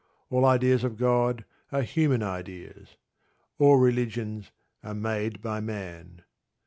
All ideas of God are human ideas. All religions are made by man.